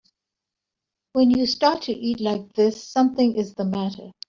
When you start to eat like this something is the matter.